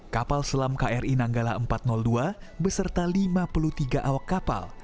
kapal selam kri nanggala empat ratus dua beserta lima puluh tiga awak kapal